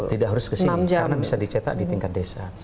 tidak harus kesini karena bisa dicetak di tingkat desa